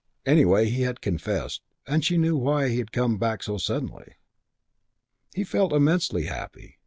Anyway, he had confessed. She knew why he had come back so suddenly. He felt immensely happy.